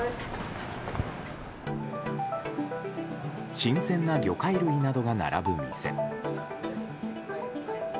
新鮮な魚介類などが並ぶ店。